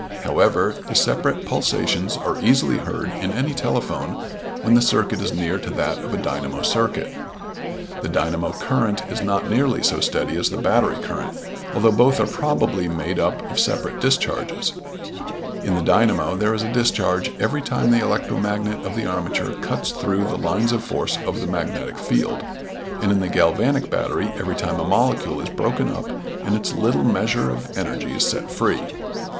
However, the separate pulsations are easily heard in any telephone when the circuit is near to that of a dynamo circuit. The dynamo current is not nearly so steady as the battery current, although both are probably made up of separate discharges. In the dynamo there is a discharge every time the electromagnet of the armature cuts through the lines of force of the magnetic field, and in the galvanic battery every time a molecule is broken up and its little measure of energy is set free.